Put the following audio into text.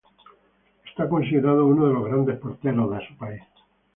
Es considerado uno de los grandes porteros de su país.